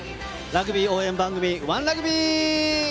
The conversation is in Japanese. ラグビー応援番組『ＯＮＥラグビー』！